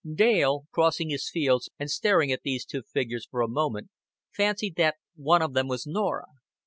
Dale, crossing his fields and staring at these two figures, for a moment fancied that one of them was Norah.